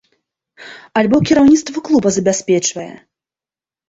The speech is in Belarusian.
Альбо кіраўніцтва клуба забяспечвае?